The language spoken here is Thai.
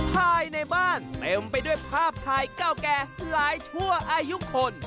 ภายในบ้านเต็มไปด้วยภาพถ่ายเก่าแก่หลายชั่วอายุคน